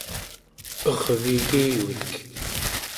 ervigivik